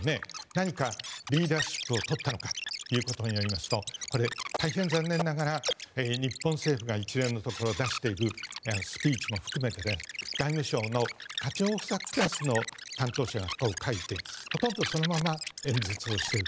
何かリーダーシップをとったのかということになると大変残念ながら日本政府が一連のところ出していくスピーチも含めて外務省の課長補佐クラスの担当者が書いてほとんどそのまま演説をしている。